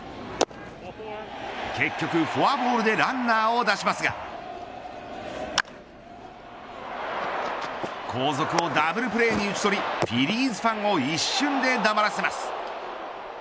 結局、フォアボールでランナーを出しますが後続をダブルプレーに打ち取りフィリーズファンを一瞬で黙らせます。